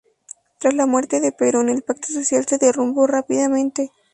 Tras la muerte de Perón, el pacto social se derrumbó rápidamente.